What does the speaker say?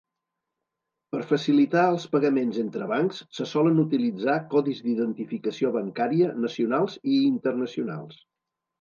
Per facilitar els pagaments entre bancs, se solen utilitzar codis d'identificació bancària nacionals i internacionals.